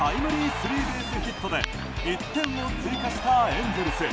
スリーベースヒットで１点を追加したエンゼルス。